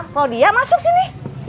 klaudia masuk sini